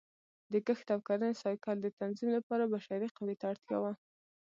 د کښت او کرنې سایکل د تنظیم لپاره بشري قوې ته اړتیا وه